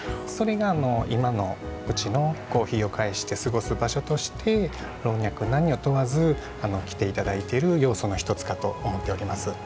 それが今のうちのコーヒーを介して過ごす場所として老若男女問わず来て頂いている要素の一つかと思っております。